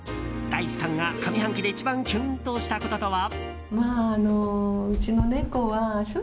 大地さんが上半期で一番キュンとしたこととは。